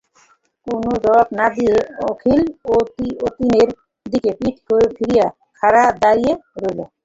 কোনো জবাব না দিয়ে অখিল অতীনের দিকে পিঠ ফিরিয়ে খাড়া দাঁড়িয়ে রইল।